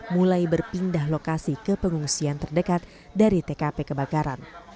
mulai berpindah lokasi ke pengungsian terdekat dari tkp kebakaran